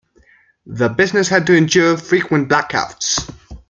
The business had to endure frequent blackouts.